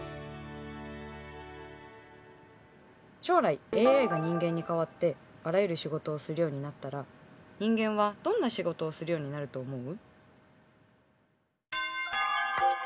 将来ＡＩが人間に代わってあらゆる仕事をするようになったら人間はどんな仕事をするようになると思う？